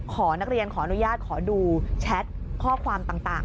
นักเรียนขออนุญาตขอดูแชทข้อความต่าง